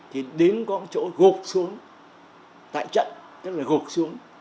thì đến có chỗ gột xuống tại trận tức là gột xuống